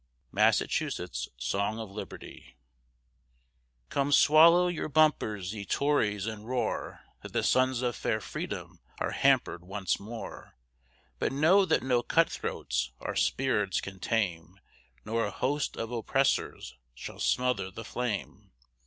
MASSACHUSETTS SONG OF LIBERTY Come swallow your bumpers, ye Tories, and roar That the Sons of fair Freedom are hamper'd once more; But know that no Cut throats our spirits can tame, Nor a host of Oppressors shall smother the flame.